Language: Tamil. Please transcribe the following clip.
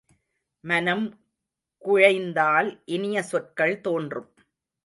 மனம் குழைந்தால் இனிய சொற்கள் தோன்றும்.